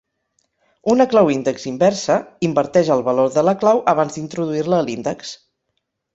Una clau índex inversa, inverteix el valor de la clau abans d'introduir-la a l'índex.